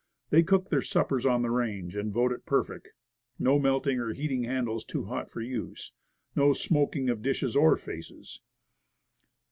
They cook their suppers on the range, 86 Woodcraft and vote it perfect, no melting or heating handles too hot for use, and no smoking of dishes, or faces.